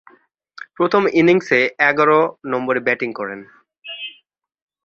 প্রথম ইনিংসে এগারো নম্বরে ব্যাটিং করেন।